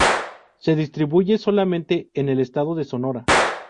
Se distribuye solamente en el estado de Sonora.